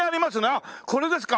ああこれですか。